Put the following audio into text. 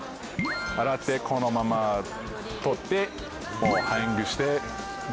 洗って、このまま取って、もうハングして、。